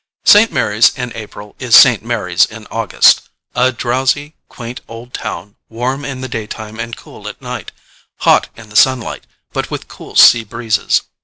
St. Mary's in April is St. Mary's in August a drowsy, quaint old town, warm in the daytime and cool at night; hot in the sunlight, but with cool sea breezes.